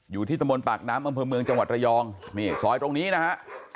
อยู่ที่ตะบนปากน้ำอำเภอเมืองจังหวัดระยองนี่ซอยตรงนี้นะฮะ